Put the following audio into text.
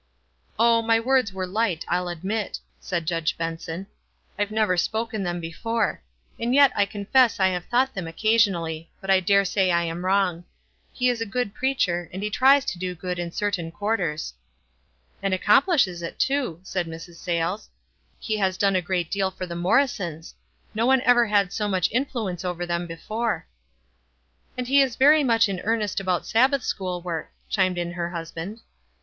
"Oh, my words were light, I'll admit," said Judge Benson. "I've never spoken them be fore ; and yet I confess I have thought them oc casionally ; but I dare say I am wrong. He is a good preacher, and he tries to do good in cer tain quarters." "And accomplishes it too," said Mrs. Sayles. "He has done a great deal for th 3 Morrisons. No one ever had so much influence over them be fore." WISE AND OTHERWISE. 323 w And he is very much in earnest about Sab bath school work," chimed in her husband.